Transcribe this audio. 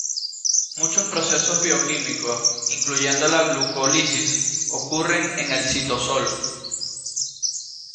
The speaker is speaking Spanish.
Muchos procesos bioquímicos, incluyendo la glucólisis, ocurren en el citosol.